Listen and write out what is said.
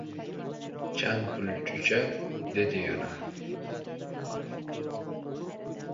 — Chan pul cho‘cha? — dedi yana.